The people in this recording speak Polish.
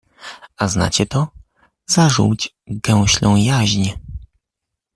A znacie to? Zażółć gęślą jaźń